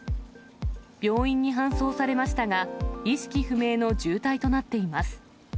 病院に搬送されましたが、意識不明の重体となっています。